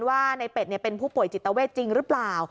ว่าในเป็ดเป็นผู้ป่วยจิตเวทจริงหรือเปล่า